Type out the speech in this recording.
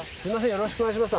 よろしくお願いします。